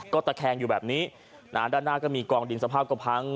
ก็ตะแคงอยู่แบบนี้นะฮะด้านหน้าก็มีกองดินสภาพก็พัง